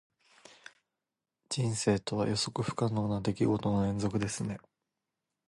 人生とは、予測不可能な出来事の連続ですね。